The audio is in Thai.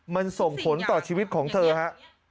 มันส่งผลต่อชีวิตของเธอครับ